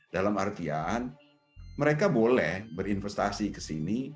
dalam artian mereka boleh berinvestasi kesini